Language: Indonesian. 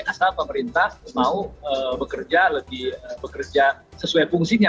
asal pemerintah mau bekerja sesuai fungsinya